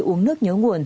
uống nước nhớ nguồn